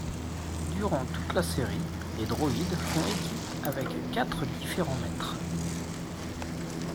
Durant toute la série, les droïdes font équipe avec quatre différents maîtres.